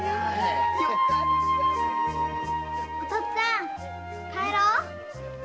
お父っつぁん帰ろう！